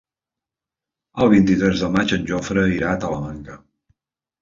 El vint-i-tres de maig en Jofre irà a Talamanca.